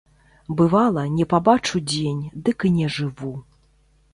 Бывала, не пабачу дзень, дык і не жыву.